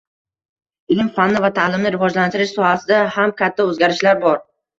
ilm-fanni va ta’limni rivojlantirish sohasida ham katta o’zgarishlar bor